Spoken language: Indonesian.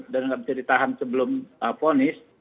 dan gak bisa ditahan sebelum ponis